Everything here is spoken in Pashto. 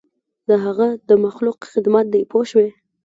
د هغه د مخلوق خدمت دی پوه شوې!.